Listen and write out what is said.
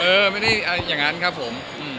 เออไม่ได้อะไรอย่างนั้นครับผม